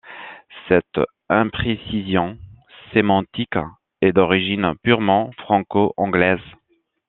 Cette imprécision sémantique est d'origine purement franco-anglaise.